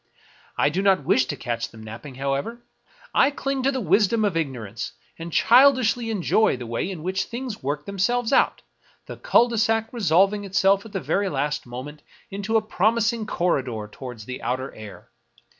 I do not wish to catch them napping, however ; I cling to the wisdom of ignorance, and childishly enjoy the way in which things work themselves out — the cul de sac resolving itself at the very last moment into a promising corridor toward the outer air.